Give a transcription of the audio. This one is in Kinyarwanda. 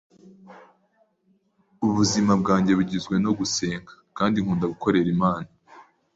Ubuzima bwanjye bugizwe no gusenga, kandi nkunda gukorera Imana